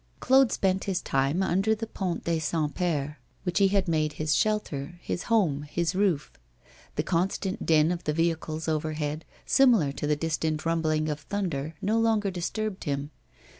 Claude spent his time under the Pont des Saints Pères, which he had made his shelter, his home, his roof. The constant din of the vehicles overhead, similar to the distant rumbling of thunder, no longer disturbed him.